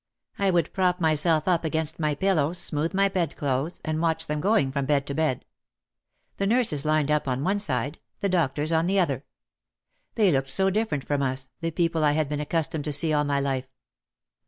I would prop myself up against my pillows, smooth my bed clothes, and watch them going from bed to bed. The nurses lined up on one side, the doctors on the other. They looked so different from us, the people I had been ac customed to see all my life.